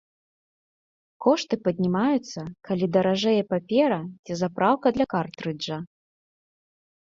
Кошты паднімаюцца, калі даражэе папера ці запраўка для картрыджа.